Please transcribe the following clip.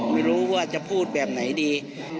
ไม่รู้ว่าจะพูดแบบไหนดี